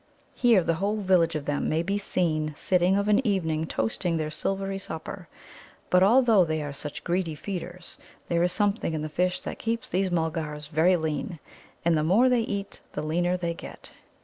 Here the whole village of them may be seen sitting of an evening toasting their silvery supper. But, although they are such greedy feeders, there is something in the fish that keeps these Mulgars very lean. And the more they eat the leaner they get.